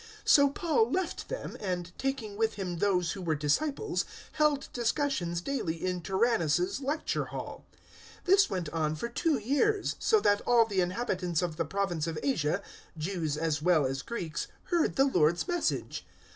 So Paul left them, and, taking with him those who were disciples, held discussions daily in Tyrannus's lecture hall. 019:010 This went on for two years, so that all the inhabitants of the province of Asia, Jews as well as Greeks, heard the Lord's Message.